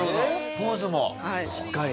ポーズもしっかり。